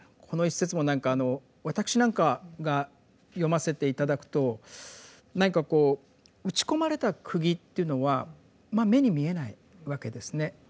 この一節も何か私なんかが読ませて頂くと何かこう打ち込まれた釘っていうのはまあ目に見えないわけですね。